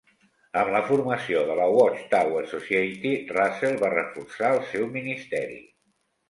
Amb la formació de la Watch Tower Society, Russell va reforçar el seu ministeri.